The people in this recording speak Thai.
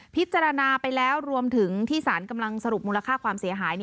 พิจารณาไปแล้วรวมถึงที่สารกำลังสรุปมูลค่าความเสียหาย